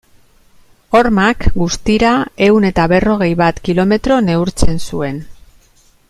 Hormak, guztira ehun eta berrogei bat kilometro neurtzen zuen.